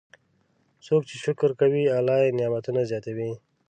څوک چې شکر کوي، الله یې نعمتونه زیاتوي.